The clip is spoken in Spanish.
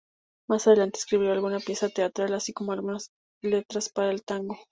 Más adelante escribió alguna pieza teatral, así como algunas letras para tango.